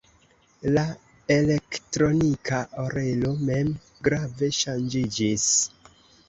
La "Elektronika Orelo" mem grave ŝanĝiĝis.